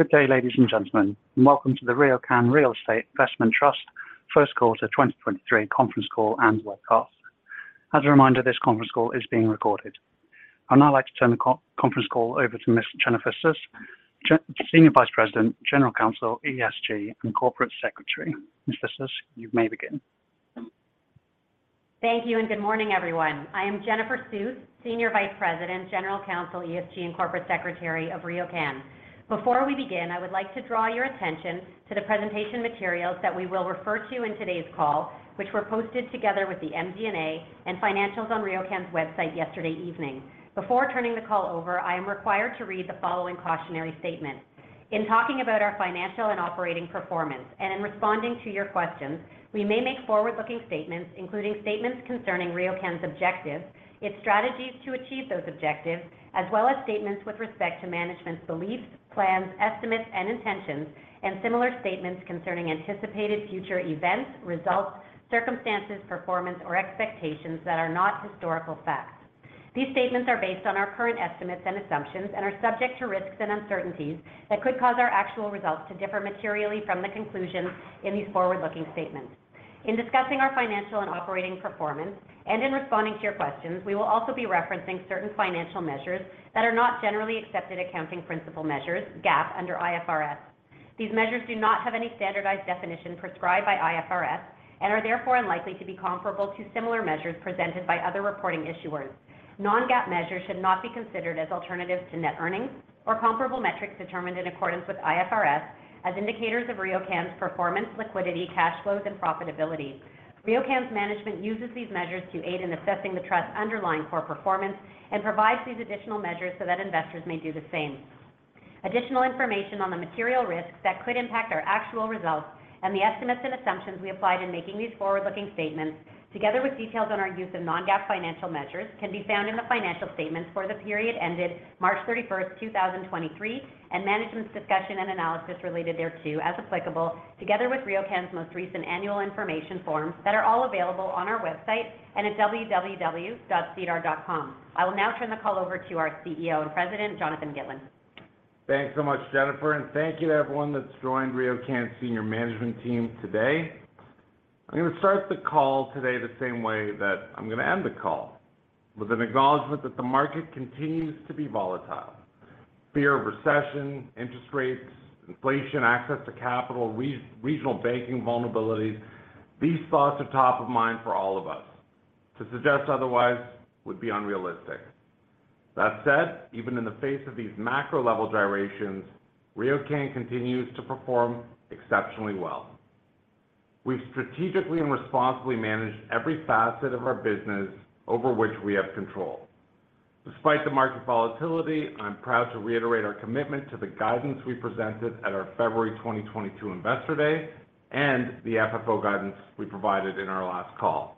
Good day, ladies and gentlemen. Welcome to the RioCan Real Estate Investment Trust first quarter 2023 conference call and webcast. As a reminder, this conference call is being recorded. I'd now like to turn the co-conference call over to Ms. Jennifer Suess, Senior Vice President, General Counsel, ESG, and Corporate Secretary. Ms. Suess, you may begin. Thank you and good morning, everyone. I am Jennifer Suess, Senior Vice President, General Counsel, ESG, and Corporate Secretary of RioCan. Before we begin, I would like to draw your attention to the presentation materials that we will refer to in today's call, which were posted together with the MD&A and financials on RioCan's website yesterday evening. Before turning the call over, I am required to read the following cautionary statement. In talking about our financial and operating performance and in responding to your questions, we may make forward-looking statements, including statements concerning RioCan's objectives, its strategies to achieve those objectives, as well as statements with respect to management's beliefs, plans, estimates, and intentions, and similar statements concerning anticipated future events, results, circumstances, performance, or expectations that are not historical facts. These statements are based on our current estimates and assumptions and are subject to risks and uncertainties that could cause our actual results to differ materially from the conclusions in these forward-looking statements. In discussing our financial and operating performance and in responding to your questions, we will also be referencing certain financial measures that are not generally accepted accounting principle measures, GAAP, under IFRS. These measures do not have any standardized definition prescribed by IFRS and are therefore unlikely to be comparable to similar measures presented by other reporting issuers. Non-GAAP measures should not be considered as alternatives to net earnings or comparable metrics determined in accordance with IFRS as indicators of RioCan's performance, liquidity, cash flows, and profitability. RioCan's management uses these measures to aid in assessing the trust's underlying core performance and provides these additional measures so that investors may do the same. Additional information on the material risks that could impact our actual results and the estimates and assumptions we applied in making these forward-looking statements, together with details on our use of non-GAAP financial measures, can be found in the financial statements for the period ended 31 March 2023, and management's discussion and analysis related thereto as applicable, together with RioCan's most recent annual information forms that are all available on our website and at www.sedar.com. I will now turn the call over to our CEO and President, Jonathan Gitlin. Thanks so much, Jennifer, thank you to everyone that's joined RioCan's senior management team today. I'm gonna start the call today the same way that I'm gonna end the call, with an acknowledgment that the market continues to be volatile. Fear of recession, interest rates, inflation, access to capital, regional banking vulnerabilities, these thoughts are top of mind for all of us. To suggest otherwise would be unrealistic. That said, even in the face of these macro-level gyrations, RioCan continues to perform exceptionally well. We've strategically and responsibly managed every facet of our business over which we have control. Despite the market volatility, I'm proud to reiterate our commitment to the guidance we presented at our February 2022 Investor Day and the FFO guidance we provided in our last call.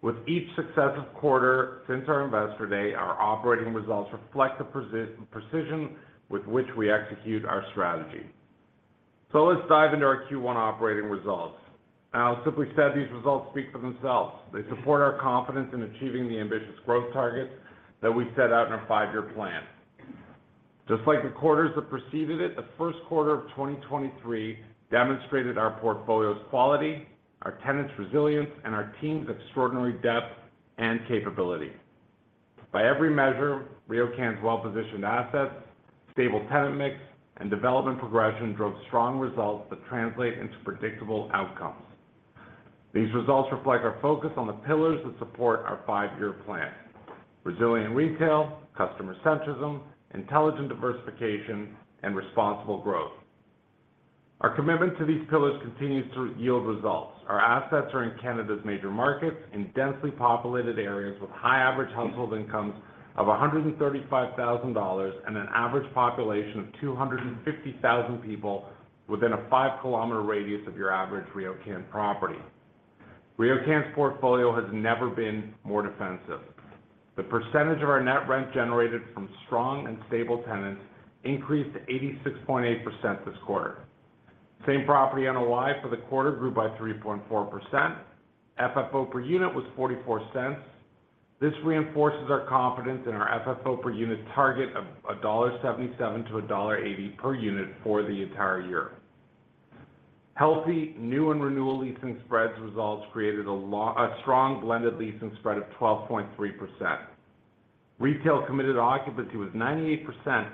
With each successive quarter since our Investor Day, our operating results reflect the precision with which we execute our strategy. Let's dive into our Q1 operating results. Simply said, these results speak for themselves. They support our confidence in achieving the ambitious growth targets that we set out in our five-year plan. Just like the quarters that preceded it, the first quarter of 2023 demonstrated our portfolio's quality, our tenants' resilience, and our team's extraordinary depth and capability. By every measure, RioCan's well-positioned assets, stable tenant mix, and development progression drove strong results that translate into predictable outcomes. These results reflect our focus on the pillars that support our five-year plan: resilient retail, customer centrism, intelligent diversification, and responsible growth. Our commitment to these pillars continues to yield results. Our assets are in Canada's major markets in densely populated areas with high average household incomes of $ 135,000 and an average population of 250,000 people within a 5-kilometer radius of your average RioCan property. RioCan's portfolio has never been more defensive. The percentage of our net rent generated from strong and stable tenants increased to 86.8% this quarter. Same-property NOI for the quarter grew by 3.4%. FFO per unit was $ 0.44. This reinforces our confidence in our FFO per unit target of $ 1.77-$ 1.80 per unit for the entire year. Healthy new and renewal leasing spreads results created a strong blended leasing spread of 12.3%. Retail committed occupancy was 98%,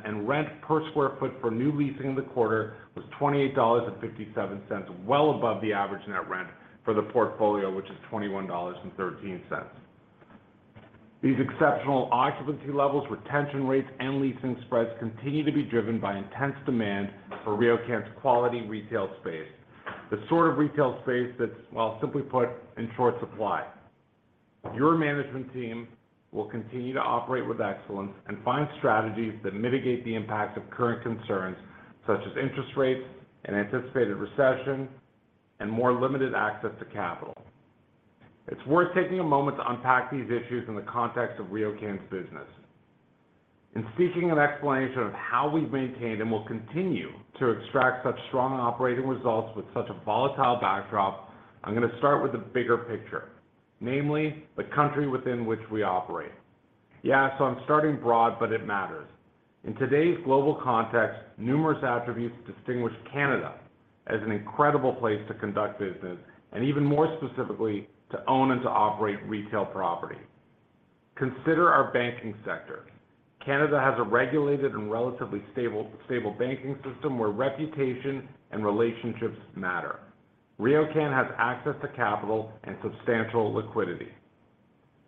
and rent per square foot for new leasing in the quarter was $ 28.57, well above the average net rent for the portfolio, which is $ 21.13. These exceptional occupancy levels, retention rates, and leasing spreads continue to be driven by intense demand for RioCan's quality retail space. The sort of retail space that's, well, simply put, in short supply. Your management team will continue to operate with excellence and find strategies that mitigate the impact of current concerns such as interest rates and anticipated recession and more limited access to capital. It's worth taking a moment to unpack these issues in the context of RioCan's business. In seeking an explanation of how we've maintained and will continue to extract such strong operating results with such a volatile backdrop, I'm gonna start with the bigger picture, namely the country within which we operate. Yeah. I'm starting broad, but it matters. In today's global context, numerous attributes distinguish Canada as an incredible place to conduct business, and even more specifically, to own and to operate retail property. Consider our banking sector. Canada has a regulated and relatively stable banking system where reputation and relationships matter. RioCan has access to capital and substantial liquidity.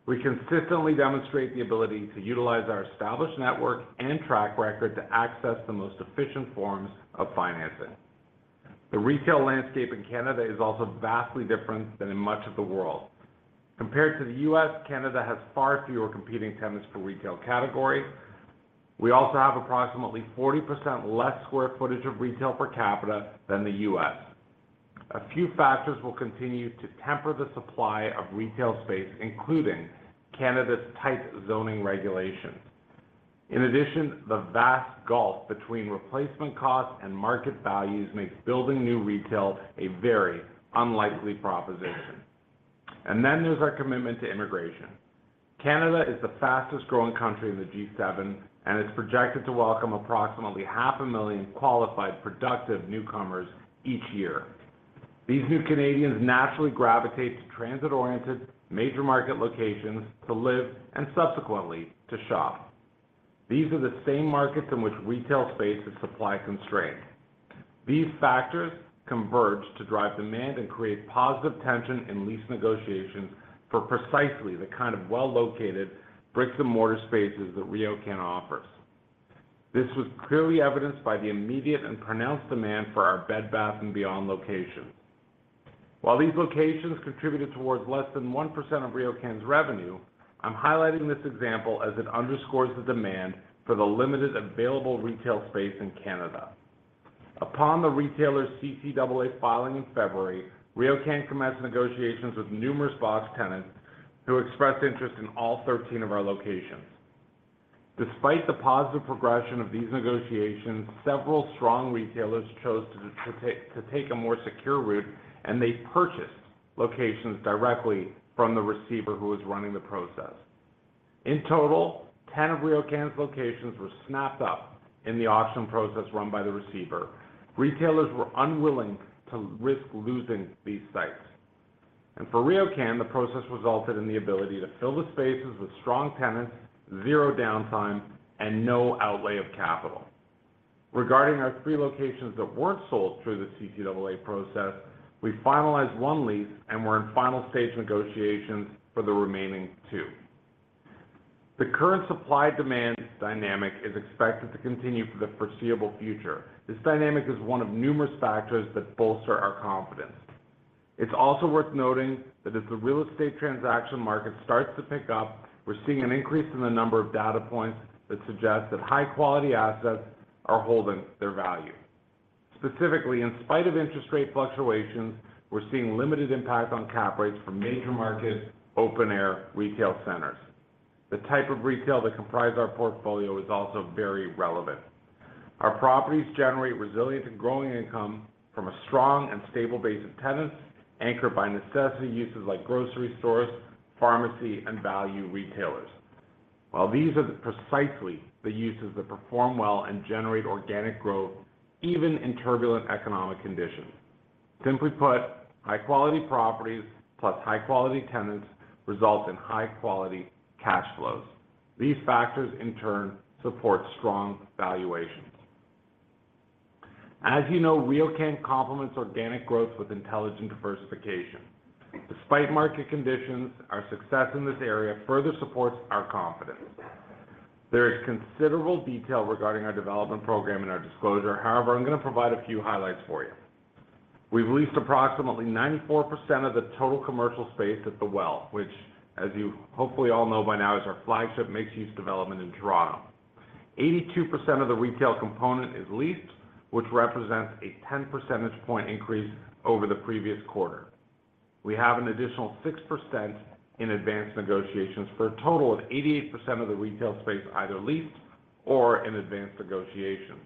We consistently demonstrate the ability to utilize our established network and track record to access the most efficient forms of financing. The retail landscape in Canada is also vastly different than in much of the world. Compared to the U.S., Canada has far fewer competing tenants per retail category. We also have approximately 40% less square footage of retail per capita than the U.S. A few factors will continue to temper the supply of retail space, including Canada's tight zoning regulations. The vast gulf between replacement costs and market values makes building new retail a very unlikely proposition. There's our commitment to immigration. Canada is the fastest-growing country in the G7, and it's projected to welcome approximately 500,000 qualified, productive newcomers each year. These new Canadians naturally gravitate to transit-oriented major market locations to live and subsequently to shop. These are the same markets in which retail space is supply constrained. These factors converge to drive demand and create positive tension in lease negotiations for precisely the kind of well-located brick-and-mortar spaces that RioCan offers. This was clearly evidenced by the immediate and pronounced demand for our Bed Bath & Beyond location. While these locations contributed towards less than 1% of RioCan's revenue, I'm highlighting this example as it underscores the demand for the limited available retail space in Canada. Upon the retailer's CCAA filing in February, RioCan commenced negotiations with numerous box tenants who expressed interest in all 13 of our locations. Despite the positive progression of these negotiations, several strong retailers chose to take a more secure route, and they purchased locations directly from the receiver who was running the process. In total, 10 of RioCan's locations were snapped up in the auction process run by the receiver. Retailers were unwilling to risk losing these sites. For RioCan, the process resulted in the ability to fill the spaces with strong tenants, zero downtime, and no outlay of capital. Regarding our three locations that weren't sold through the CCAA process, we finalized one lease and we're in final stage negotiations for the remaining two. The current supply-demand dynamic is expected to continue for the foreseeable future. This dynamic is one of numerous factors that bolster our confidence. It's also worth noting that as the real estate transaction market starts to pick up, we're seeing an increase in the number of data points that suggest that high-quality assets are holding their value. Specifically, in spite of interest rate fluctuations, we're seeing limited impact on cap rates from major market open-air retail centers. The type of retail that comprise our portfolio is also very relevant. Our properties generate resilient and growing income from a strong and stable base of tenants anchored by necessity uses like grocery stores, pharmacy, and value retailers. While these are precisely the uses that perform well and generate organic growth even in turbulent economic conditions. Simply put, high-quality properties plus high-quality tenants result in high-quality cash flows. These factors, in turn, support strong valuations. As you know, RioCan complements organic growth with intelligent diversification. Despite market conditions, our success in this area further supports our confidence. There is considerable detail regarding our development program in our disclosure. However, I'm gonna provide a few highlights for you. We've leased approximately 94% of the total commercial space at The Well, which, as you hopefully all know by now, is our flagship mixed-use development in Toronto. 82% of the retail component is leased, which represents a 10 percentage point increase over the previous quarter. We have an additional 6% in advanced negotiations for a total of 88% of the retail space either leased or in advanced negotiations.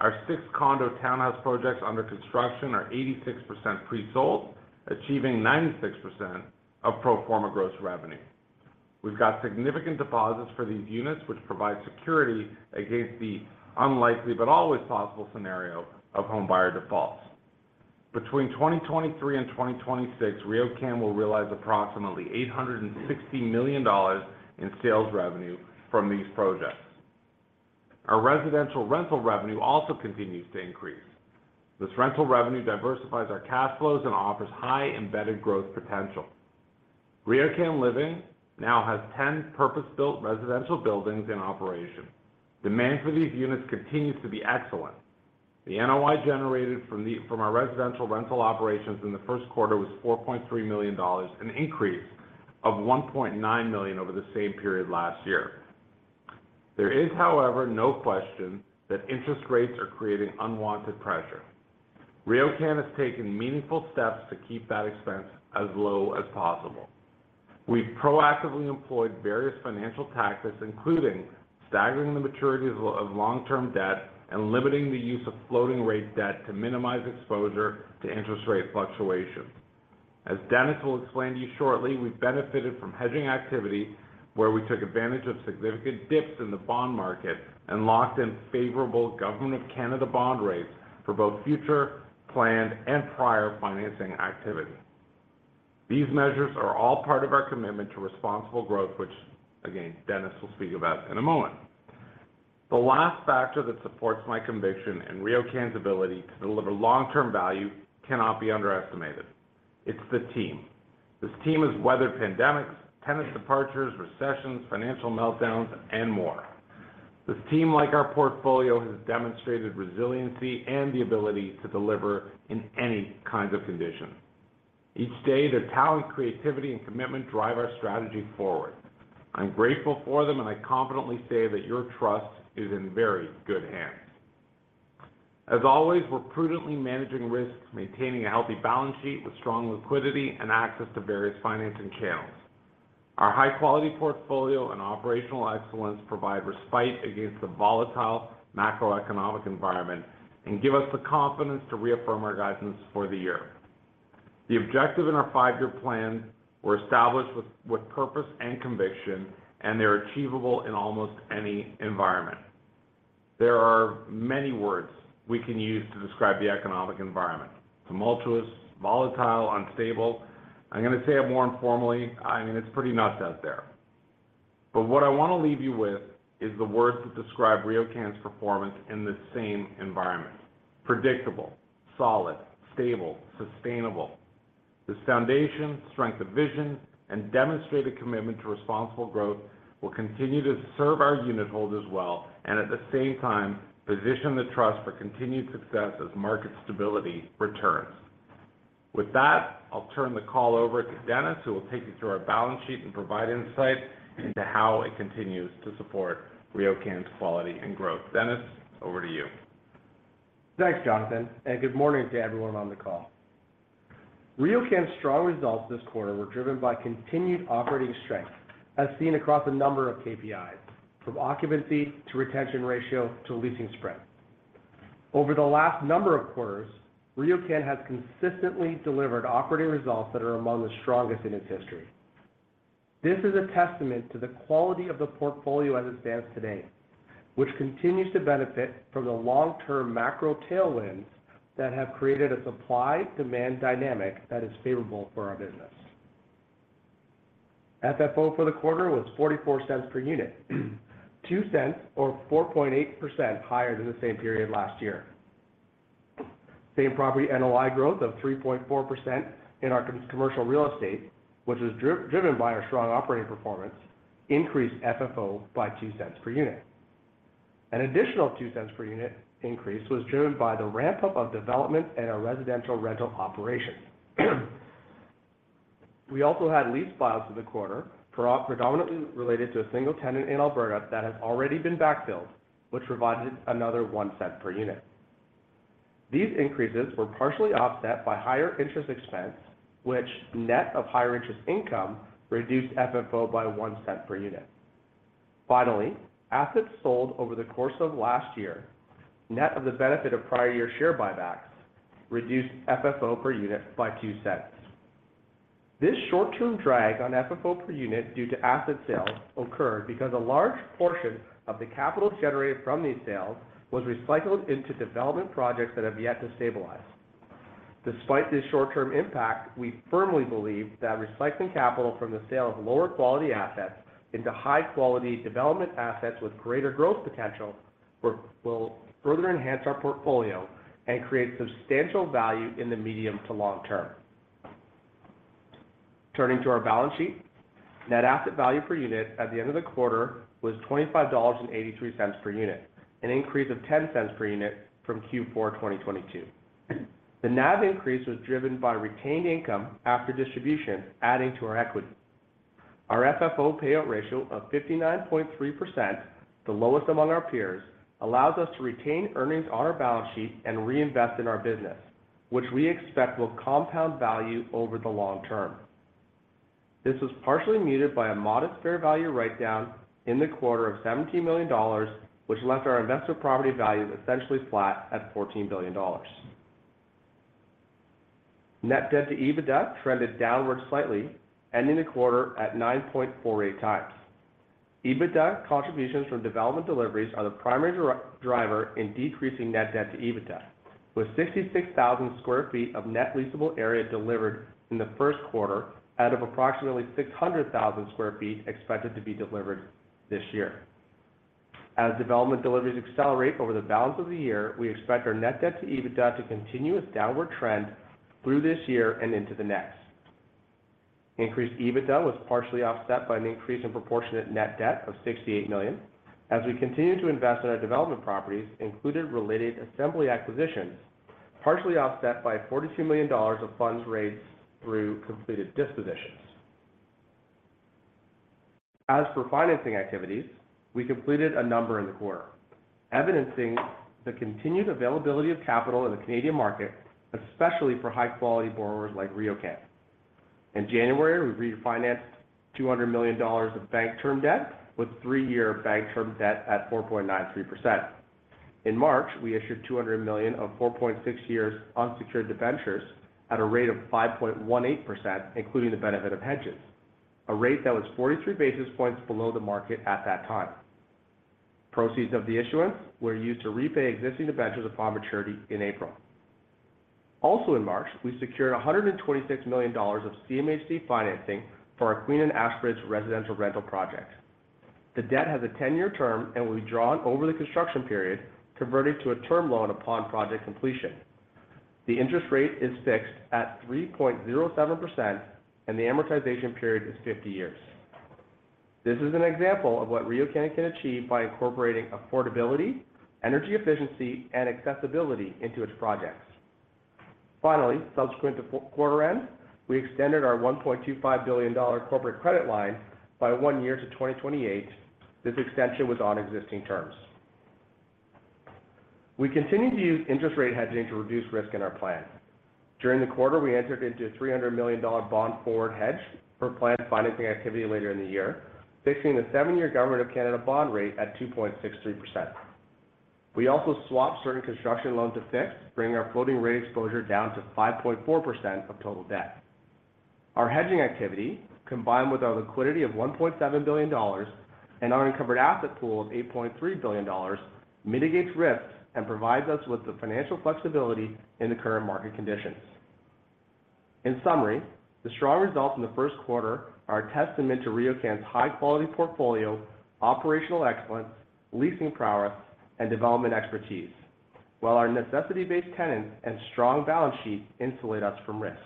Our six condo townhouse projects under construction are 86% presold, achieving 96% of pro forma gross revenue. We've got significant deposits for these units, which provide security against the unlikely but always possible scenario of homebuyer defaults. Between 2023 and 2026, RioCan will realize approximately $ 860 million in sales revenue from these projects. Our residential rental revenue also continues to increase. This rental revenue diversifies our cash flows and offers high embedded growth potential. RioCan Living now has 10 purpose-built residential buildings in operation. Demand for these units continues to be excellent. The NOI generated from our residential rental operations in the first quarter was $ 4.3 million, an increase of $ 1.9 million over the same period last year. There is, however, no question that interest rates are creating unwanted pressure. RioCan has taken meaningful steps to keep that expense as low as possible. We've proactively employed various financial tactics, including staggering the maturities of long-term debt and limiting the use of floating rate debt to minimize exposure to interest rate fluctuations. As Dennis will explain to you shortly, we've benefited from hedging activity where we took advantage of significant dips in the bond market and locked in favorable Government of Canada bond rates for both future planned and prior financing activity. These measures are all part of our commitment to responsible growth, which again, Dennis will speak about in a moment. The last factor that supports my conviction in RioCan's ability to deliver long-term value cannot be underestimated. It's the team. This team has weathered pandemics, tenant departures, recessions, financial meltdowns, and more. This team, like our portfolio, has demonstrated resiliency and the ability to deliver in any kind of condition. Each day, their talent, creativity, and commitment drive our strategy forward. I'm grateful for them, and I confidently say that your trust is in very good hands. As always, we're prudently managing risks, maintaining a healthy balance sheet with strong liquidity and access to various financing channels. Our high-quality portfolio and operational excellence provide respite against the volatile macroeconomic environment and give us the confidence to reaffirm our guidance for the year. The objective in our five-year plan were established with purpose and conviction, and they're achievable in almost any environment. There are many words we can use to describe the economic environment: tumultuous, volatile, unstable. I'm going to say it more informally. I mean, it's pretty nuts out there. What I want to leave you with is the words that describe RioCan's performance in the same environment: predictable, solid, stable, sustainable. This foundation, strength of vision, and demonstrated commitment to responsible growth will continue to serve our unitholders well and at the same time, position the trust for continued success as market stability returns. With that, I'll turn the call over to Dennis, who will take you through our balance sheet and provide insight into how it continues to support RioCan's quality and growth. Dennis, over to you. Thanks, Jonathan, good morning to everyone on the call. RioCan's strong results this quarter were driven by continued operating strength as seen across a number of KPIs, from occupancy to retention ratio to leasing spreads. Over the last number of quarters, RioCan has consistently delivered operating results that are among the strongest in its history. This is a testament to the quality of the portfolio as it stands today, which continues to benefit from the long-term macro tailwinds that have created a supply-demand dynamic that is favorable for our business. FFO for the quarter was $ 0.44 per unit, $ 0.02, or 4.8% higher than the same period last year. Same-property NOI growth of 3.4% in our commercial real estate, which was driven by our strong operating performance, increased FFO by $ 0.02 per unit. An additional $ 0.02 per unit increase was driven by the ramp-up of development in our residential rental operations. We also had lease files for the quarter, pro-predominantly related to a single tenant in Alberta that has already been backfilled, which provided another $ 0.01 per unit. These increases were partially offset by higher interest expense, which net of higher interest income reduced FFO by $ 0.01 per unit. Finally, assets sold over the course of last year, net of the benefit of prior year share buybacks, reduced FFO per unit by $ 0.02. This short-term drag on FFO per unit due to asset sales occurred because a large portion of the capital generated from these sales was recycled into development projects that have yet to stabilize. Despite this short-term impact, we firmly believe that recycling capital from the sale of lower quality assets into high-quality development assets with greater growth potential will further enhance our portfolio and create substantial value in the medium to long term. Turning to our balance sheet, net asset value per unit at the end of the quarter was $ 25.83 per unit, an increase of $ 0.10 per unit from Q4 2022. The NAV increase was driven by retained income after distribution, adding to our equity. Our FFO payout ratio of 59.3%, the lowest among our peers, allows us to retain earnings on our balance sheet and reinvest in our business, which we expect will compound value over the long term. This was partially muted by a modest fair value write-down in the quarter of $ 17 million, which left our investment property values essentially flat at $ 14 billion. Net debt to EBITDA trended downward slightly, ending the quarter at 9.48x. EBITDA contributions from development deliveries are the primary driver in decreasing net debt to EBITDA, with 66,000 sq ft of net leasable area delivered in the first quarter out of approximately 600,000 sq ft expected to be delivered this year. As development deliveries accelerate over the balance of the year, we expect our net debt to EBITDA to continue its downward trend through this year and into the next. Increased EBITDA was partially offset by an increase in proportionate net debt of $68 million as we continue to invest in our development properties, including related assembly acquisitions, partially offset by $42 million of funds raised through completed dispositions. For financing activities, we completed a number in the quarter, evidencing the continued availability of capital in the Canadian market, especially for high-quality borrowers like RioCan. In January, we refinanced $ 200 million of bank term debt with 3-year bank term debt at 4.93%. In March, we issued $ 200 million of 4.6 years unsecured debentures at a rate of 5.18%, including the benefit of hedges, a rate that was 43 basis points below the market at that time. Proceeds of the issuance were used to repay existing debentures upon maturity in April. In March, we secured $ 126 million of CMHC financing for our Queen and Ashbridge residential rental project. The debt has a 10-year term and will be drawn over the construction period, converted to a term loan upon project completion. The interest rate is fixed at 3.07% and the amortization period is 50 years. This is an example of what RioCan can achieve by incorporating affordability, energy efficiency, and accessibility into its projects. Subsequent to quarter end, we extended our $ 1.25 billion corporate credit line by one year to 2028. This extension was on existing terms. We continue to use interest rate hedging to reduce risk in our plan. During the quarter, we entered into a $ 300 million bond forward hedge for planned financing activity later in the year, fixing the seven-year Government of Canada bond rate at 2.63%. We also swapped certain construction loans to fix, bringing our floating rate exposure down to 5.4% of total debt. Our hedging activity, combined with our liquidity of $ 1.7 billion and our uncovered asset pool of $ 8.3 billion, mitigates risk and provides us with the financial flexibility in the current market conditions. In summary, the strong results in the first quarter are a testament to RioCan's high-quality portfolio, operational excellence, leasing prowess, and development expertise, while our necessity-based tenants and strong balance sheet insulate us from risk.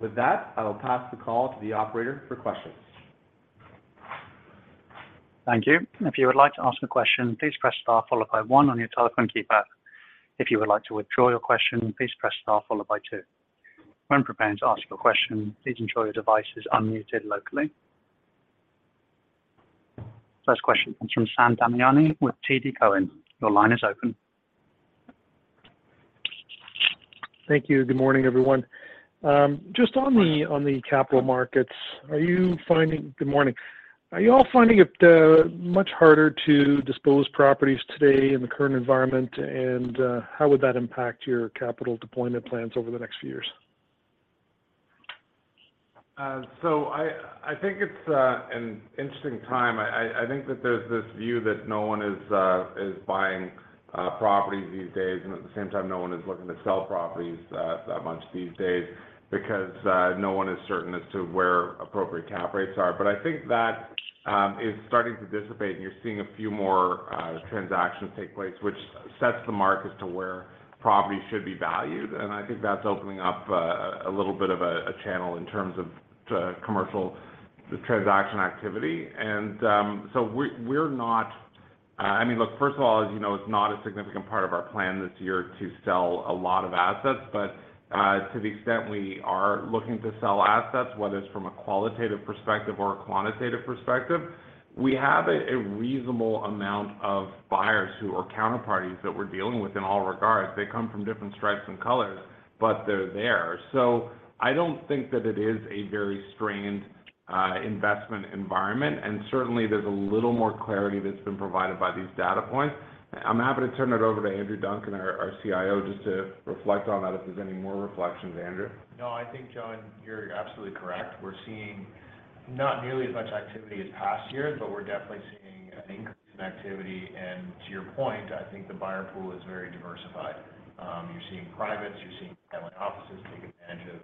With that, I will pass the call to the operator for questions. Thank you. If you would like to ask a question, please press star followed by 1 on your telephone keypad. If you would like to withdraw your question, please press star followed by 2. When preparing to ask a question, please ensure your device is unmuted locally. First question comes from Sam Damiani with TD Cowen. Your line is open. Thank you. Good morning, everyone. Morning On the capital markets, Good morning. Are you all finding it much harder to dispose properties today in the current environment, and how would that impact your capital deployment plans over the next few years? I think it's an interesting time. I think that there's this view that no one is buying properties these days, and at the same time, no one is looking to sell properties that much these days because no one is certain as to where appropriate cap rates are. I think that is starting to dissipate, and you're seeing a few more transactions take place, which sets the market as to where properties should be valued. I think that's opening up a little bit of a channel in terms of commercial transaction activity. We're not... I mean, look, first of all, as you know, it's not a significant part of our plan this year to sell a lot of assets. To the extent we are looking to sell assets, whether it's from a qualitative perspective or a quantitative perspective, we have a reasonable amount of buyers who are counterparties that we're dealing with in all regards. They come from different stripes and colors, but they're there. I don't think that it is a very strained investment environment, and certainly, there's a little more clarity that's been provided by these data points. I'm happy to turn it over to Andrew Duncan, our CIO, just to reflect on that if there's any more reflections. Andrew. No, I think, Jon, you're absolutely correct. We're seeing not nearly as much activity as past years, but we're definitely seeing an increase in activity. To your point, I think the buyer pool is very diversified. You're seeing privates, you're seeing family offices take advantage of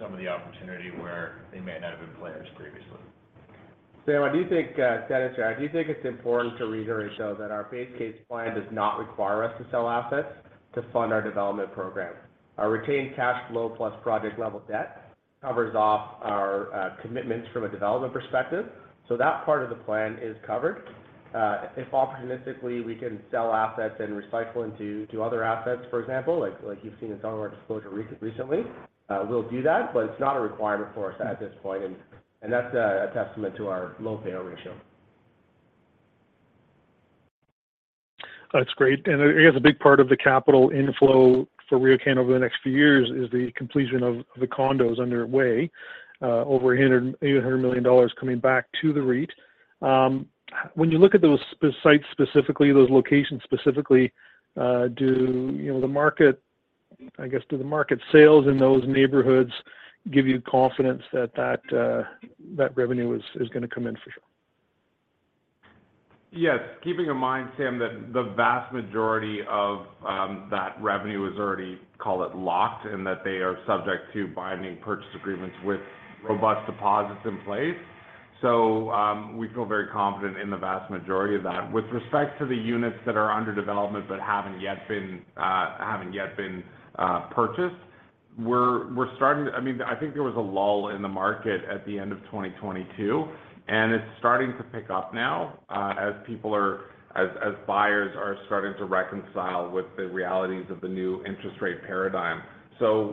some of the opportunity where they may not have been players previously. Sam, I do think that is right. I do think it's important to reiterate, though, that our base case plan does not require us to sell assets to fund our development program. Our retained cash flow plus project-level debt covers off our commitments from a development perspective. That part of the plan is covered. If opportunistically, we can sell assets and recycle into other assets, for example, like you've seen in some of our disclosure recently, we'll do that, but it's not a requirement for us at this point. That's a testament to our low payout ratio. That's great. I guess a big part of the capital inflow for RioCan over the next few years is the completion of the condos underway, over $ 1,800 million coming back to the REIT. When you look at those sites specifically, those locations specifically, do, you know, the market, I guess, do the market sales in those neighborhoods give you confidence that that revenue is gonna come in for sure? Yes. Keeping in mind, Sam, that the vast majority of that revenue is already, call it, locked, and that they are subject to binding purchase agreements with robust deposits in place. We feel very confident in the vast majority of that. With respect to the units that are under development but haven't yet been purchased, we're starting to, I mean, I think there was a lull in the market at the end of 2022, and it's starting to pick up now, as buyers are starting to reconcile with the realities of the new interest rate paradigm.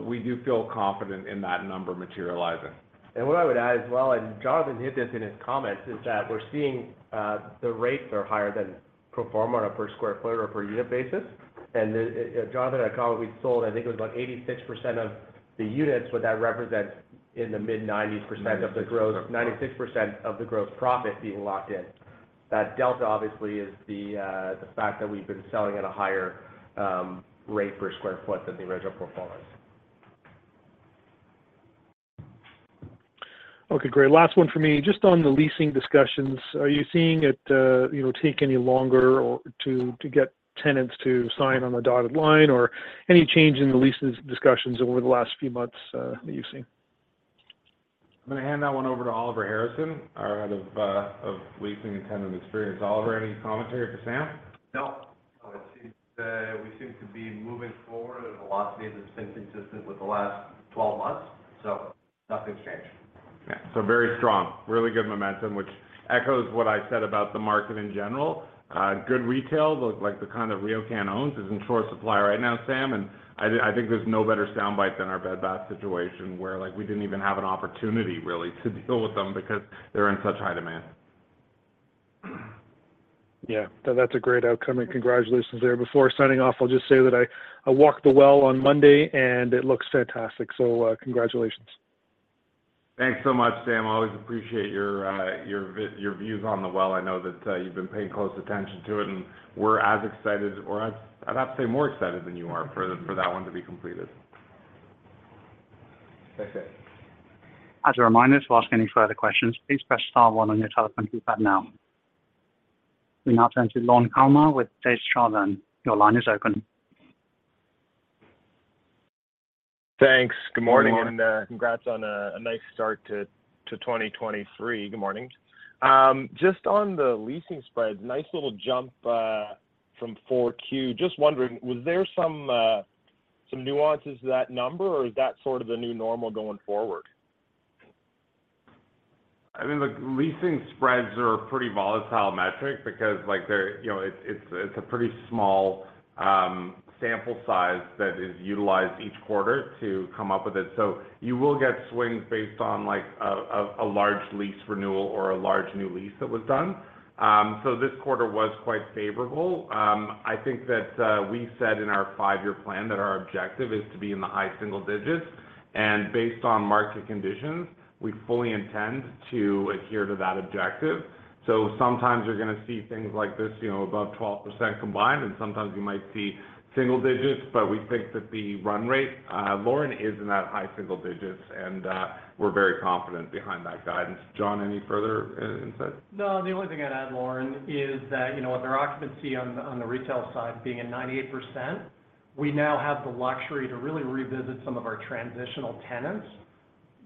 We do feel confident in that number materializing. What I would add as well, and Jonathan hit this in his comments, is that we're seeing the rates are higher than pro forma on a per square foot or a per unit basis. The Jonathan had called it, we sold, I think it was about 86% of the units, but that represents 96% of the gross profit being locked in. That delta, obviously, is the fact that we've been selling at a higher rate per square foot than the original pro formas. Okay, great. Last one for me. Just on the leasing discussions, are you seeing it, you know, take any longer or to get tenants to sign on the dotted line? Any change in the leases discussions over the last few months, that you've seen? I'm gonna hand that one over to Oliver Harrison, our head of leasing and tenant experience. Oliver, any commentary for Sam? It seems that we seem to be moving forward at a velocity that's been consistent with the last 12 months, so nothing's changed. Yeah. Very strong, really good momentum, which echoes what I said about the market in general. Good retail, the, like the kind that RioCan owns is in short supply right now, Sam, and I think there's no better soundbite than our Bed Bath situation, where like, we didn't even have an opportunity really to deal with them because they're in such high demand. Yeah. No, that's a great outcome, and congratulations there. Before signing off, I'll just say that I walked The Well on Monday, and it looks fantastic. Congratulations. Thanks so much, Sam. Always appreciate your views on The Well. I know that, you've been paying close attention to it, and we're as excited or I'd have to say more excited than you are for that one to be completed. Okay. As a reminder, to ask any further questions, please press star 1 on your telephone keypad now. We now turn to Lorne Kalmar with Desjardins. Your line is open. Thanks. Good morning. Good morning. Congrats on a nice start to 2023. Good morning. Just on the leasing spreads, nice little jump, from 4Q. Just wondering, was there some nuances to that number, or is that sort of the new normal going forward? I mean, look, leasing spreads are a pretty volatile metric because, like, they're, you know, it's a pretty small sample size that is utilized each quarter to come up with it. You will get swings based on like a large lease renewal or a large new lease that was done. This quarter was quite favorable. I think that we said in our five-year plan that our objective is to be in the high single digits, and based on market conditions, we fully intend to adhere to that objective. Sometimes you're gonna see things like this, you know, above 12% combined, and sometimes you might see single digits, but we think that the run rate, Lorne, is in that high single digits, and we're very confident behind that guidance. Jonathan, any further insight? No, the only thing I'd add, Lorne, is that, you know, with our occupancy on the, on the retail side being at 98%, we now have the luxury to really revisit some of our transitional tenants.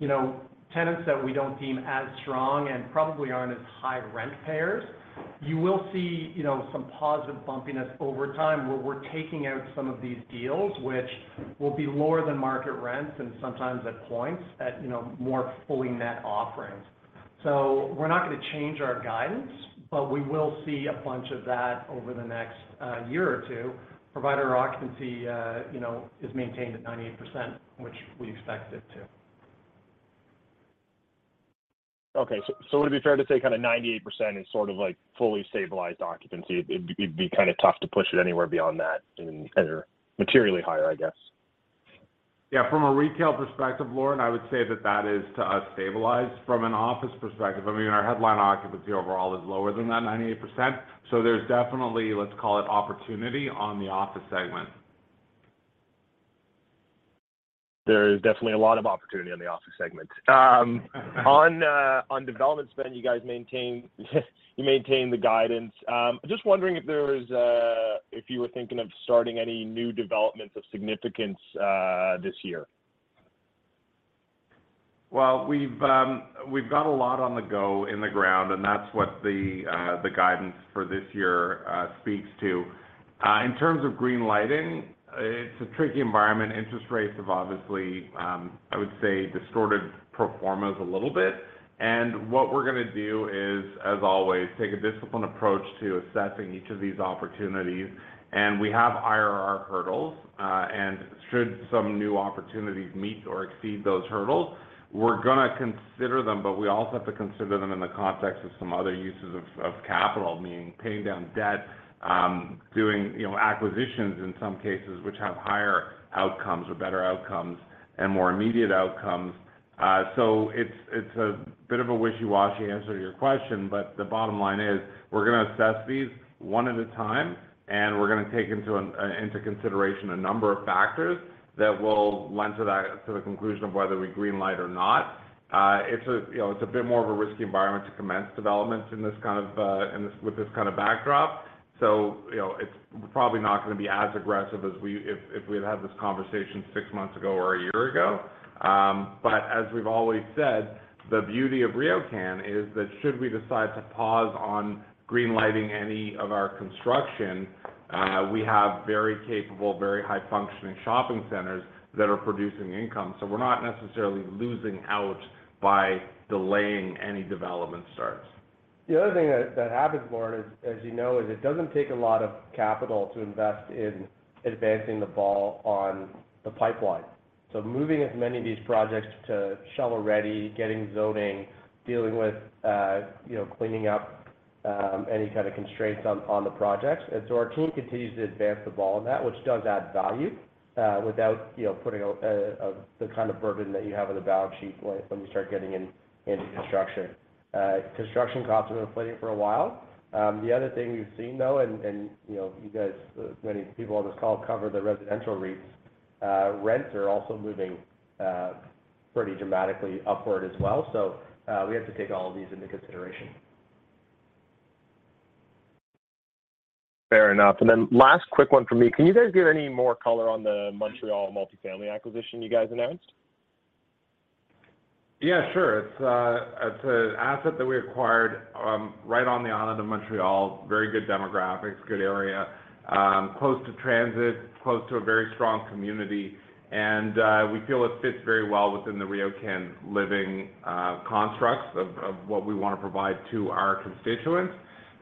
You know, tenants that we don't deem as strong and probably aren't as high rent payers. You will see, you know, some positive bumpiness over time, where we're taking out some of these deals, which will be lower than market rents and sometimes at points at, you know, more fully net offerings. We're not gonna change our guidance, but we will see a bunch of that over the next one or two, provided our occupancy, you know, is maintained at 98%, which we expect it to. Okay. Would it be fair to say kind of 98% is sort of like fully stabilized occupancy? It'd be kind of tough to push it anywhere beyond that and materially higher, I guess. Yeah. From a retail perspective, Lorne, I would say that that is, to us, stabilized. From an office perspective, I mean, our headline occupancy overall is lower than that 98%. There's definitely, let's call it opportunity on the office segment. There is definitely a lot of opportunity on the office segment. On development spend, you maintained the guidance. Just wondering if there was if you were thinking of starting any new developments of significance this year? Well, we've got a lot on the go in the ground, and that's what the guidance for this year speaks to. In terms of green lighting, it's a tricky environment. Interest rates have obviously, I would say, distorted pro formas a little bit. What we're gonna do is, as always, take a disciplined approach to assessing each of these opportunities, and we have IRR hurdles. Should some new opportunities meet or exceed those hurdles, we're gonna consider them, but we also have to consider them in the context of some other uses of capital, meaning paying down debt, doing, you know, acquisitions in some cases, which have higher outcomes or better outcomes and more immediate outcomes. It's a bit of a wishy-washy answer to your question, but the bottom line is we're gonna assess these one at a time, and we're gonna take into consideration a number of factors that will lend to that, to the conclusion of whether we green light or not. It's, you know, a bit more of a risky environment to commence development with this kind of backdrop. You know, it's probably not gonna be as aggressive if we had had this conversation six months ago or one year ago. As we've always said, the beauty of RioCan is that should we decide to pause on green lighting any of our construction, we have very capable, very high functioning shopping centers that are producing income. We're not necessarily losing out by delaying any development starts. The other thing that happens, Lorne, as you know, it doesn't take a lot of capital to invest in advancing the ball on the pipeline. Moving as many of these projects to shovel-ready, getting zoning, dealing with, you know, cleaning up, any kind of constraints on the projects. Our team continues to advance the ball on that, which does add value, without, you know, putting a the kind of burden that you have on the balance sheet when you start getting into construction. Construction costs have been inflating for a while. The other thing we've seen, though, and, you know, you guys, many people on this call cover the residential REITs. Rents are also moving pretty dramatically upward as well. We have to take all of these into consideration. Fair enough. Last quick one from me. Can you guys give any more color on the Montreal multifamily acquisition you guys announced? Sure. It's an asset that we acquired, right on the Isle of Montreal, very good demographics, good area, close to transit, close to a very strong community, and we feel it fits very well within the RioCan Living constructs of what we wanna provide to our constituents.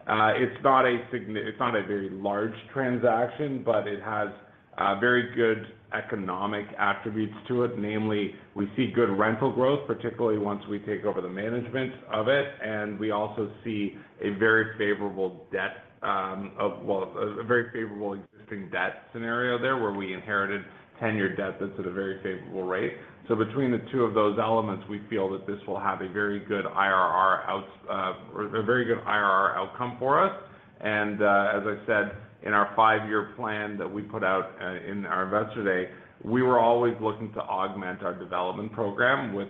It's not a very large transaction, but it has very good economic attributes to it. Namely, we see good rental growth, particularly once we take over the management of it, and we also see a very favorable debt of a very favorable existing debt scenario there, where we inherited tenured debt that's at a very favorable rate. Between the two of those elements, we feel that this will have a very good IRR out or a very good IRR outcome for us. As I said, in our five-year plan that we put out in our investor day, we were always looking to augment our development program with,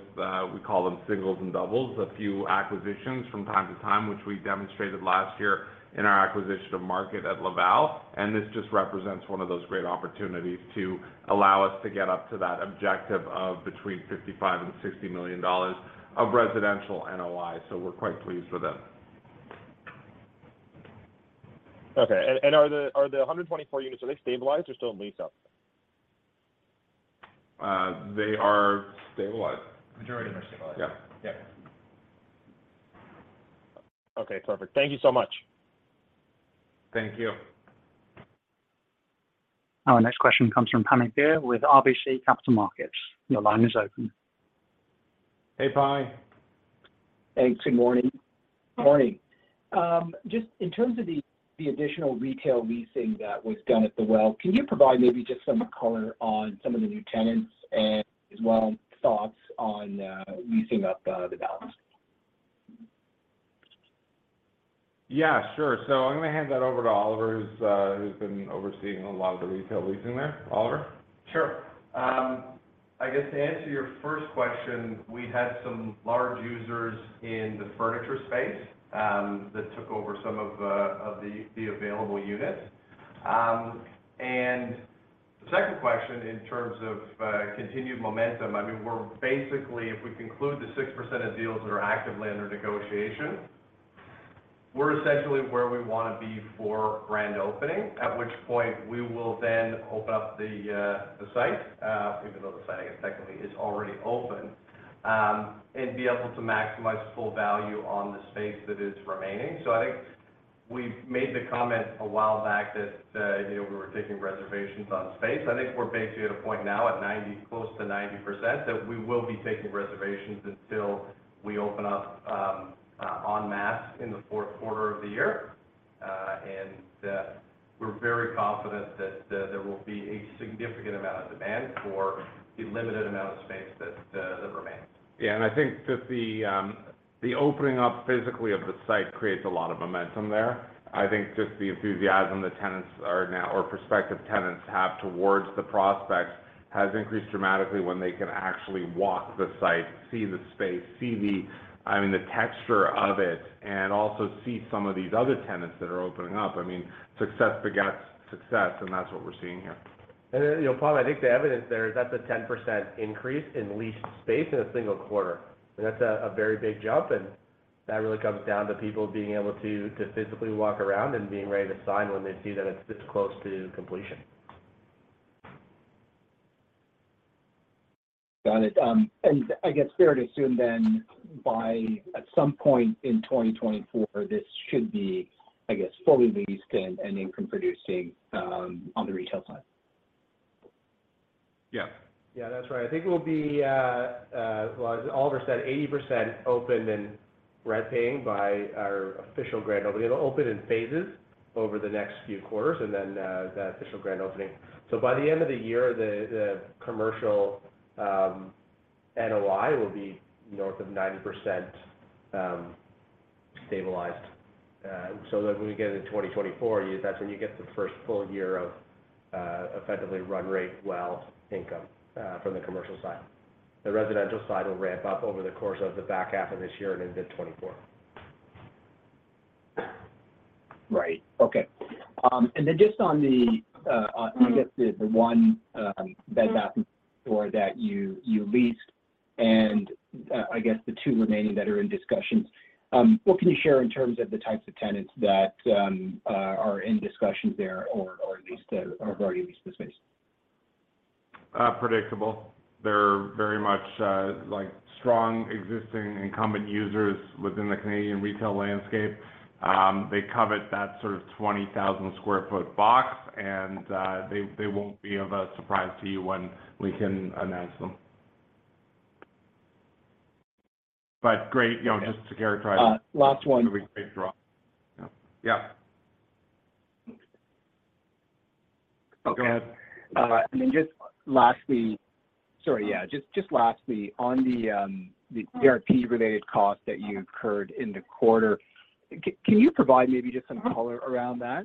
we call them singles and doubles, a few acquisitions from time to time, which we demonstated last year in our acquisition of Market at Laval. This just represents one of those great opportunities to allow us to get up to that objective of between $ 55 million-$60 million of residential NOI. We're quite pleased with it. Okay. Are the 124 units, are they stabilized or still in lease up? They are stabilized. Majority are stabilized. Yeah. Yeah. Okay, perfect. Thank you so much. Thank you. Our next question comes from Punit Pataria with RBC Capital Markets. Your line is open. Hey, Punit. Thanks. Good morning. Morning. Just in terms of the additional retail leasing that was done at The Well, can you provide maybe just some color on some of the new tenants and as well thoughts on leasing up the balance? Yeah, sure. I'm gonna hand that over to Oliver, who's been overseeing a lot of the retail leasing there. Oliver? Sure. I guess to answer your first question, we had some large users in the furniture space that took over some of the available units. The second question in terms of continued momentum, I mean, we're basically, if we conclude the 6% of deals that are actively under negotiation, we're essentially where we wanna be for grand opening, at which point we will then open up the site, even though the site I guess technically is already open, and be able to maximize full value on the space that is remaining. I think we made the comment a while back that, you know, we were taking reservations on space. I think we're basically at a point now at 90, close to 90%, that we will be taking reservations until we open up en masse in the 4Q of the year. We're very confident that there will be a significant amount of demand for the limited amount of space that remains. Yeah. I think that the opening up physically of the site creates a lot of momentum there. I think just the enthusiasm the tenants are now, or prospective tenants have towards the prospects has increased dramatically when they can actually walk the site, see the space, see the, I mean, the texture of it, and also see some of these other tenants that are opening up. I mean, success begets success, and that's what we're seeing here. You know, Punit, I think the evidence there is that's a 10% increase in leased space in a single quarter, and that's a very big jump, and that really comes down to people being able to physically walk around and being ready to sign when they see that it's this close to completion. Got it. I guess fair to assume then by, at some point in 2024, this should be, I guess, fully leased and income producing on the retail side. Yeah. Yeah, that's right. I think we'll be, well, as Oliver said, 80% open and rent paying by our official grand opening. It'll open in phases over the next few quarters and then, the official grand opening. By the end of the year, the commercial NOI will be north of 90% stabilized. That when we get into 2024, that's when you get the first full year of effectively run rate Well income from the commercial side. The residential side will ramp up over the course of the back half of this year and into 2024. Right. Okay. Then just on the, I guess the one, Bed Bath, and store that you leased, and, I guess the two remaining that are in discussions, what can you share in terms of the types of tenants that are in discussions there or leased or have already leased the space? Predictable. They're very much like strong existing incumbent users within the Canadian retail landscape. They covet that sort of 20,000 sq ft box and they won't be of a surprise to you when we can announce them. Great, you know. last one. Really quick draw. Yeah. Okay. Go ahead. Sorry, yeah. Just lastly, on the ERP-related costs that you incurred in the quarter, can you provide maybe just some color around that?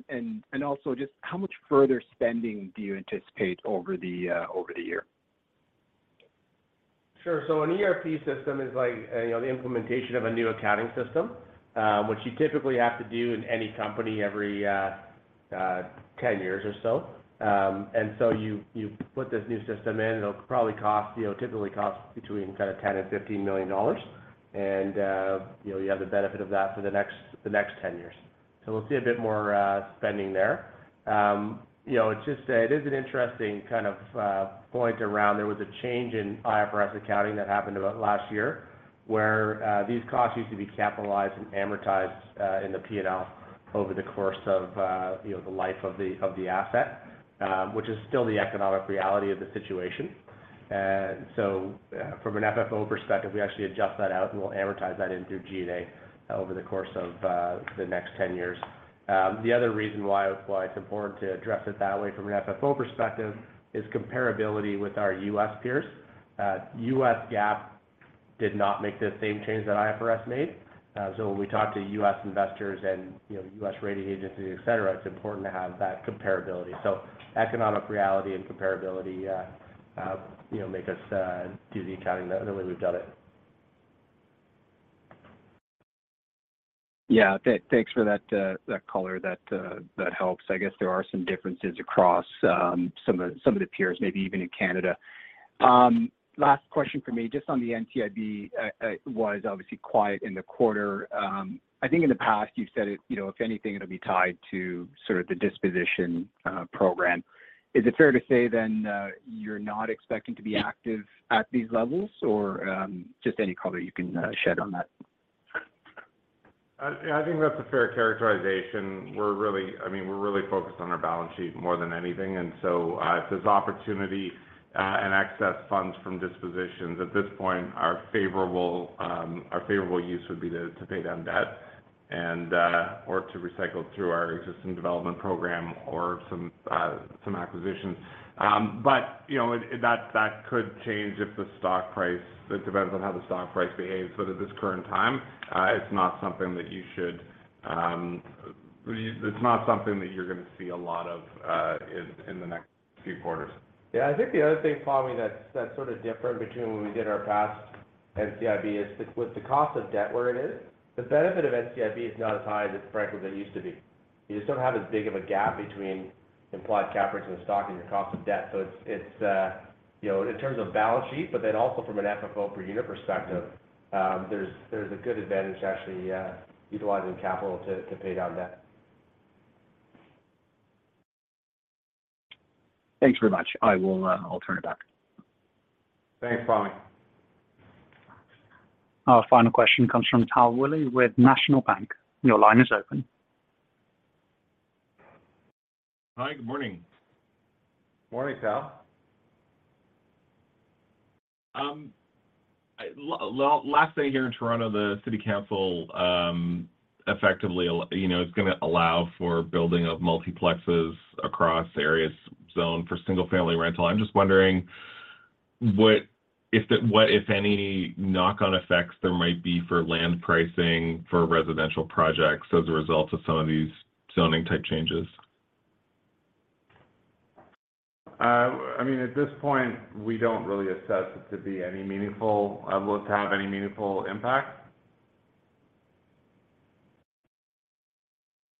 Also just how much further spending do you anticipate over the year? Sure. An ERP system is like, you know, the implementation of a new accounting system, which you typically have to do in any company every 10 years or so. You put this new system in, it'll probably cost, you know, typically cost between $ 10 million-$ 15 million. You have the benefit of that for the next 10 years. We'll see a bit more spending there. You know, it is an interesting kind of point around there was a change in IFRS accounting that happened about last year, where these costs used to be capitalized and amortized in the P&L over the course of, you know, the life of the asset, which is still the economic reality of the situation. From an FFO perspective, we actually adjust that out, and we'll amortize that in through GA over the course of the next 10 years. The other reason why it's important to address it that way from an FFO perspective is comparability with our U.S. peers. U.S. GAAP did not make the same change that IFRS made. When we talk to U.S. investors and, you know, U.S. rating agencies, et cetera, it's important to have that comparability. Economic reality and comparability, you know, make us do the accounting the way we've done it. Yeah. Thanks for that color. That helps. I guess there are some differences across some of the peers, maybe even in Canada. Last question for me, just on the NCIB was obviously quiet in the quarter. I think in the past you've said it, you know, if anything, it'll be tied to sort of the disposition program. Is it fair to say then, you're not expecting to be active at these levels, or just any color you can shed on that? I think that's a fair characterization. I mean, we're really focused on our balance sheet more than anything. If there's opportunity and excess funds from dispositions, at this point, our favorable use would be to pay down debt or to recycle through our existing development program or some acquisitions. You know, that could change if the stock price. It depends on how the stock price behaves. At this current time, it's not something that you should, it's not something that you're gonna see a lot of in the next few quarters. I think the other thing, Punit, that's sort of different between when we did our past NCIB is with the cost of debt where it is, the benefit of NCIB is not as high as, frankly, as it used to be. You just don't have as big of a gap between implied cap rates in the stock and your cost of debt. It's, you know, in terms of balance sheet, also from an FFO per unit perspective, there's a good advantage to actually utilizing capital to pay down debt. Thanks very much. I'll turn it back. Thanks, Punit. Our final question comes from Tal Woolley with National Bank. Your line is open. Hi. Good morning. Morning, Tal. last day here in Toronto, the city council, effectively you know, it's gonna allow for building of multiplexes across areas zoned for single-family rental. I'm just wondering what, if, what, if any, knock-on effects there might be for land pricing for residential projects as a result of some of these zoning type changes? I mean, at this point, we don't really assess it to be any meaningful look to have any meaningful impact.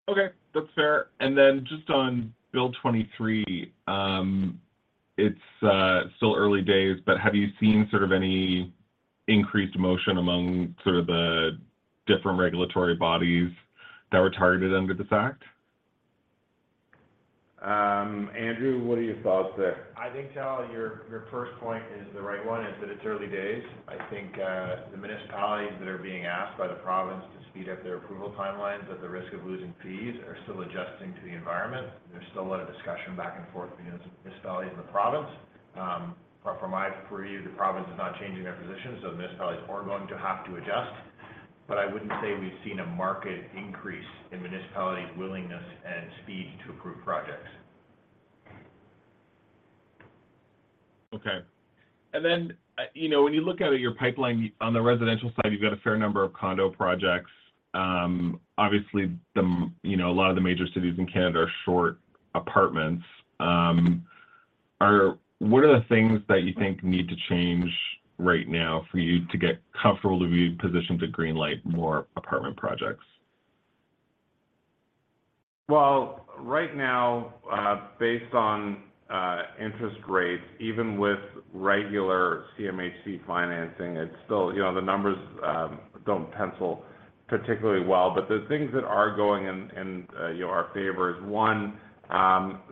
Okay. That's fair. Just on Bill 23, it's still early days, but have you seen sort of any increased motion among sort of the different regulatory bodies that were targeted under this act? Andrew, what are your thoughts there? I think, Tal, your first point is the right one, is that it's early days. I think, the municipalities that are being asked by the province to speed up their approval timelines at the risk of losing fees are still adjusting to the environment. There's still a lot of discussion back and forth between the municipalities and the province. From my purview, the province is not changing their position, so the municipalities are going to have to adjust. I wouldn't say we've seen a market increase in municipalities' willingness and speed to approve projects. Okay. You know, when you look at your pipeline on the residential side, you've got a fair number of condo projects. Obviously, the, you know, a lot of the major cities in Canada are short apartments. What are the things that you think need to change right now for you to get comfortable to be positioned to green light more apartment projects? Well, right now, based on interest rates, even with regular CMHC financing, it's still. You know, the numbers don't pencil particularly well. The things that are going in, you know, our favor is, one,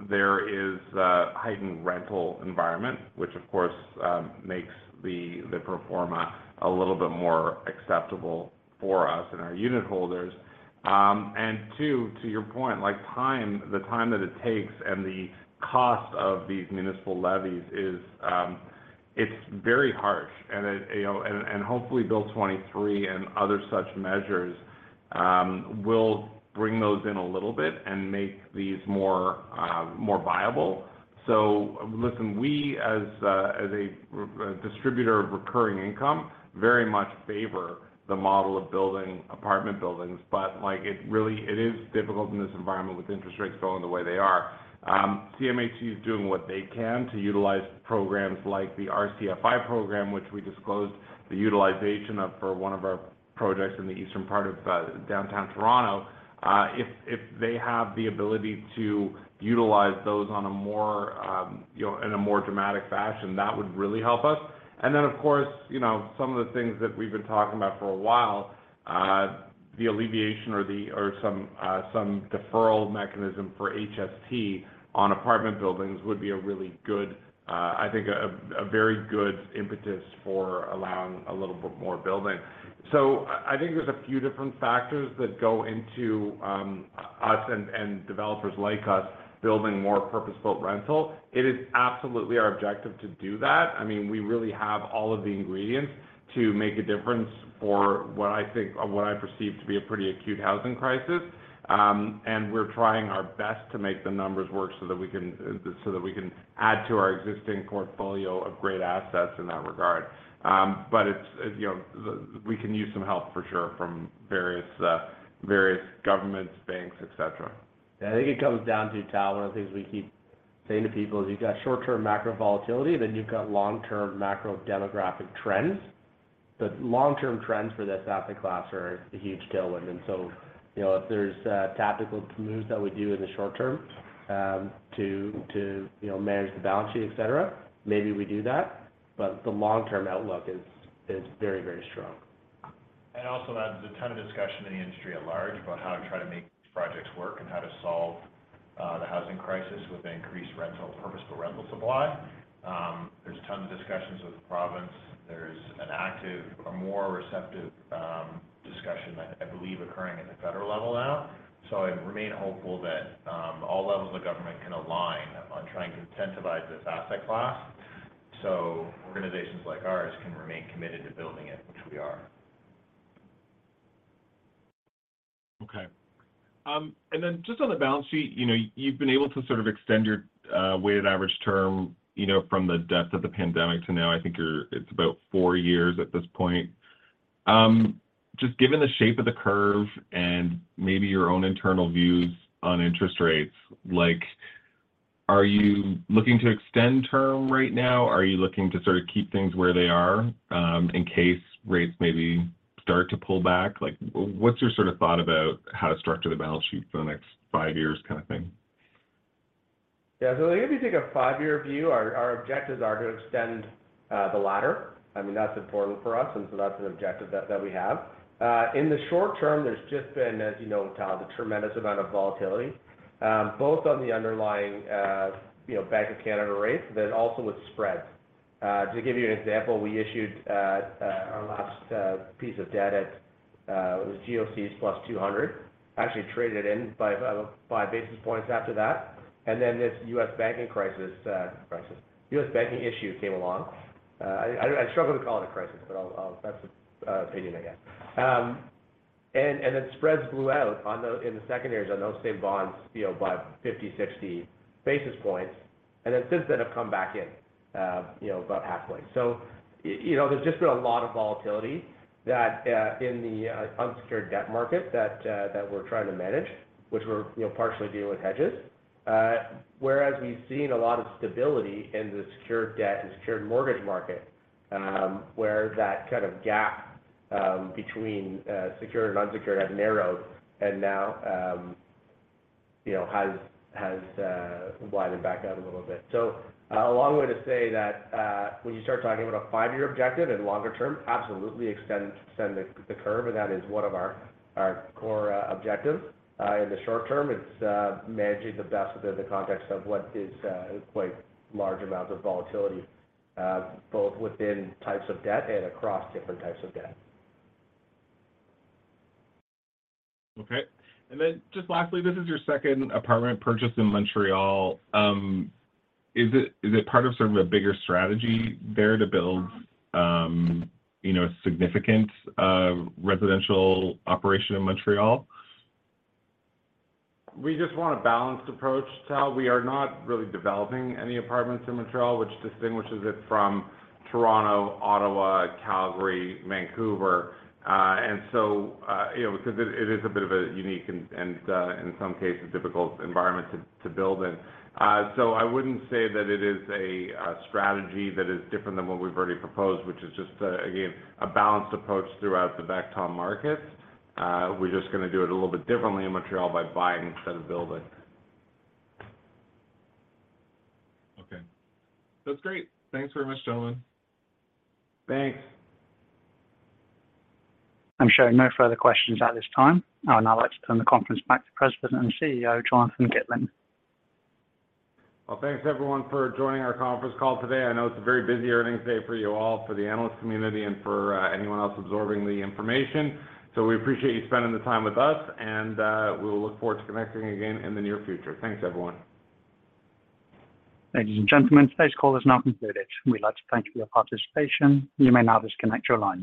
there is a heightened rental environment, which of course, makes the pro forma a little bit more acceptable for us and our unit holders. Two, to your point, like time, the time that it takes and the cost of these municipal levies is, it's very harsh. It, you know. Hopefully, Bill 23 and other such measures, we'll bring those in a little bit and make these more viable. listen, we as a distributor of recurring income, very much favor the model of building apartment buildings, but, like it really it is difficult in this environment with interest rates going the way they are. CMHC is doing what they can to utilize programs like the RCFI program, which we disclosed the utilization of for one of our projects in the eastern part of downtown Toronto. If they have the ability to utilize those on a more, you know, in a more dramatic fashion, that would really help us. Of course, you know, some of the things that we've been talking about for a while, or some deferral mechanism for HST on apartment buildings would be a really good, I think a very good impetus for allowing a little bit more building. I think there's a few different factors that go into us and developers like us building more purpose-built rental. It is absolutely our objective to do that. I mean, we really have all of the ingredients to make a difference for what I think or what I perceive to be a pretty acute housing crisis. We're trying our best to make the numbers work so that we can add to our existing portfolio of great assets in that regard. It's, you know, we can use some help for sure from various governments, banks, et cetera. Yeah. I think it comes down to, Tal, one of the things we keep saying to people is you've got short-term macro volatility, then you've got long-term macro demographic trends. The long-term trends for this asset class are a huge tailwind. You know, if there's tactical moves that we do in the short term, to, you know, manage the balance sheet, et cetera, maybe we do that. The long-term outlook is very, very strong. Also that there's a ton of discussion in the industry at large about how to try to make these projects work and how to solve the housing crisis with increased purposeful rental supply. There's tons of discussions with the province. There's an active or more receptive discussion I believe occurring at the federal level now. I remain hopeful that all levels of government can align on trying to incentivize this asset class, so organizations like ours can remain committed to building it, which we are. Okay. Just on the balance sheet, you know, you've been able to sort of extend your weighted average term, you know, from the depths of the pandemic to now. I think it's about four years at this point. Just given the shape of the curve and maybe your own internal views on interest rates, like, are you looking to extend term right now? Are you looking to sort of keep things where they are, in case rates maybe start to pull back? Like what's your sort of thought about how to structure the balance sheet for the next five years kind of thing? I think if you take a five-year view, our objectives are to extend the latter. I mean, that's important for us, that's an objective that we have. In the short term, there's just been, as you know, Tal, the tremendous amount of volatility, both on the underlying, you know, Bank of Canada rates, but also with spreads. To give you an example, we issued our last piece of debt at it was GOCs plus 200. Actually traded in by basis points after that. Then this U.S. banking crisis, U.S. banking issue came along. I struggle to call it a crisis, but I'll... That's an opinion, I guess. Then spreads blew out in the secondaries on those same bonds, you know, by 50, 60 basis points, and then since then have come back in, you know, about halfway. You know, there's just been a lot of volatility that in the unsecured debt market that we're trying to manage, which we're, you know, partially dealing with hedges. Whereas we've seen a lot of stability in the secured debt and secured mortgage market, where that kind of gap between secured and unsecured has narrowed and now, you know, has widened back out a little bit. A long way to say that when you start talking about a five-year objective and longer term, absolutely extend the curve, and that is one of our core objectives. In the short term, it's managing the best within the context of what is quite large amounts of volatility, both within types of debt and across different types of debt. Okay. Just lastly, this is your second apartment purchase in Montreal. Is it part of sort of a bigger strategy there to build, you know, a significant, residential operation in Montreal? We just want a balanced approach, Tal. We are not really developing any apartments in Montreal, which distinguishes it from Toronto, Ottawa, Calgary, Vancouver. You know, 'cause it is a bit of a unique and, in some cases difficult environment to build in. I wouldn't say that it is a strategy that is different than what we've already proposed, which is just, again, a balanced approach throughout the markets. We're just gonna do it a little bit differently in Montreal by buying instead of building. Okay. That's great. Thanks very much, gentlemen. Thanks. I'm showing no further questions at this time. I'd now like to turn the conference back to President and CEO, Jonathan Gitlin. Well, thanks everyone for joining our conference call today. I know it's a very busy earnings day for you all, for the analyst community, and for anyone else absorbing the information. We appreciate you spending the time with us, and we will look forward to connecting again in the near future. Thanks, everyone. Ladies and gentlemen, today's call has now concluded. We'd like to thank you for your participation. You may now disconnect your lines.